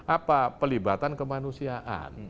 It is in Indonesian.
apa pelibatan kemanusiaan